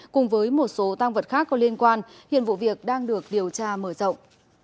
cùng với một số tăng vật khác có liên quan hiện vụ việc đang được điều tra mở rộng